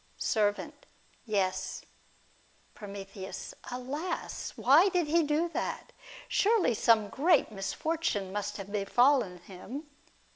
Servant. Yes. Prom. Alas ! Why did he do that ? Surely some great misfortune must have befallen him.